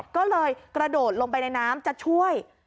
ก็เลยกระโดดลงไปในน้ำจะช่วย